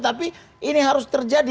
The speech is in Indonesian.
tapi ini harus terjadi